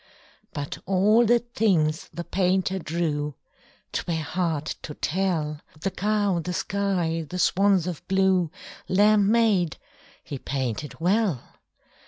But all the things the painter drew 'Twere hard to tell The cow, the sky, the swans of blue, Lamb, maid, he painted well.